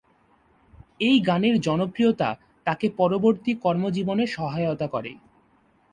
এই গানের জনপ্রিয়তা তাকে পরবর্তী কর্মজীবনে সহায়তা করে।।